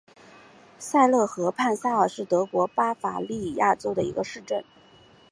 萨勒河畔萨尔是德国巴伐利亚州的一个市镇。